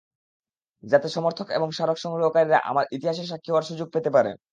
যাতে সমর্থক এবং স্মারক সংগ্রহকারীরা আমার ইতিহাসের সাক্ষী হওয়ার সুযোগ পেতে পারে।